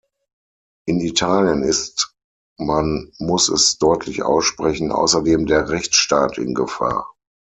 In Italien ist man muss es deutlich aussprechen außerdem der Rechtsstaat in Gefahr.